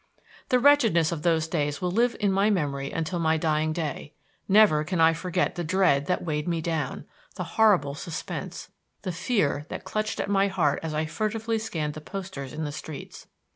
The wretchedness of those days will live in my memory until my dying day. Never can I forget the dread that weighed me down, the horrible suspense, the fear that clutched at my heart as I furtively scanned the posters in the streets.